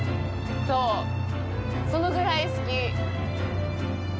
そう、そのぐらい好き。